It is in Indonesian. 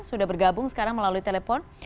sudah bergabung sekarang melalui telepon